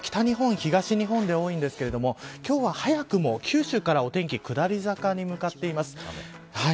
北日本、東日本で多いんですが今日は早くも九州から天気が下り坂に向かっています。